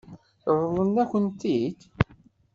Ṛeḍlen-akent-t-id?